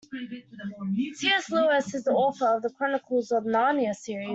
C.S. Lewis is the author of The Chronicles of Narnia series.